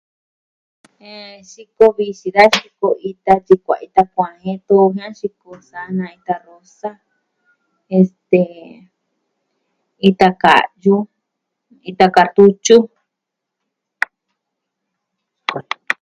Eh.. xiko vi da xiko ita yukuan, ita kuaan jen tun ña xiko sana ita rosa, este... ita ka'yu, ita kartutyu.